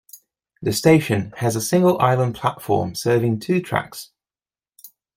The station has a single island platform serving two tracks.